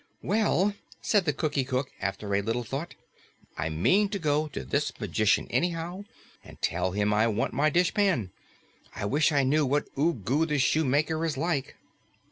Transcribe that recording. "Well," said the Cookie Cook after a little thought, "I mean to go to this magician, anyhow, and tell him I want my dishpan. I wish I knew what Ugu the Shoemaker is like."